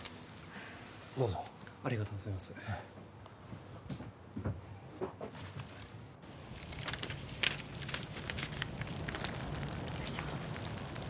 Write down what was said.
どうぞありがとうございますよいしょ